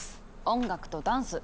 音楽とダンス。